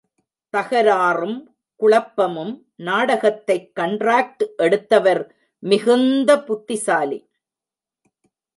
தகராறும் குழப்பமும் நாடகத்தைக் கண்ட்ராக்டு எடுத்தவர் மிகுந்த புத்திசாலி.